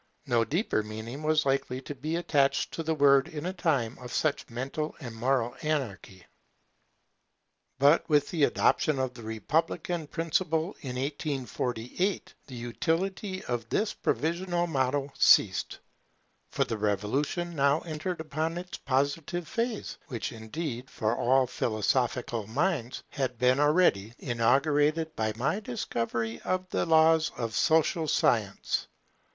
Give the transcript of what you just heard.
No deeper meaning was likely to be attached to the word in a time of such mental and moral anarchy. [Third motto, Order and Progress] But with the adoption of the Republican principle in 1848, the utility of this provisional motto ceased. For the Revolution now entered upon its Positive phase; which indeed, for all philosophical minds, had been already inaugurated by my discovery of the laws of Social Science.